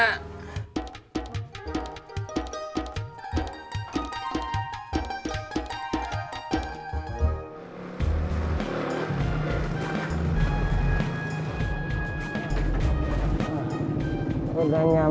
kamu harus pulih